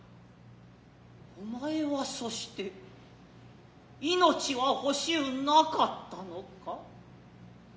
お前はそして生命は欲うなかつたのか。